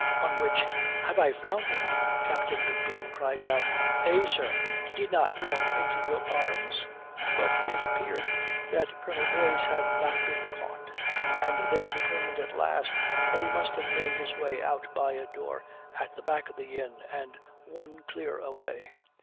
On which 'Have I found him?' Captain McBean cries out, 'Eh, sir, did he not run into your arms?' But it appeared that Colonel Boyce had not been caught, and they determined at last that he must have made his way out by a door at the back of the inn and won clear away.